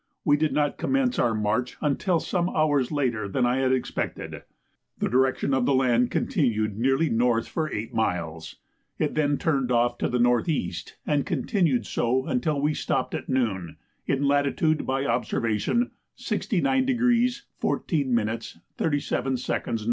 We did not commence our march until some hours later than I had expected. The direction of the land continued nearly north for eight miles; it then turned off to the north east, and continued so until we stopped at noon, in latitude by observation 69° 14' 37" N.